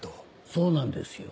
そうなんですよ